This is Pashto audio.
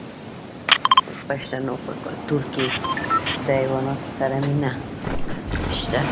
د پښتنو په کلتور کې د حیواناتو سره مینه شته.